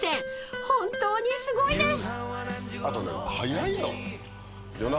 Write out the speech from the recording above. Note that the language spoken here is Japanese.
本当にすごいです。